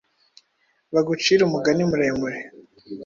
bagucire umugani muremure